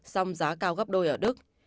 xong giá cao gấp đôi ở đức